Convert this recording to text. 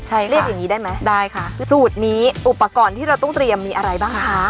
ใช่ค่ะเรียกอย่างงี้ได้ไหมได้ค่ะสูตรนี้อุปกรณ์ที่เราต้องเตรียมมีอะไรบ้างคะ